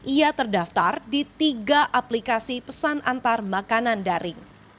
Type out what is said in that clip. ia terdaftar di tiga aplikasi pesan antar makanan daring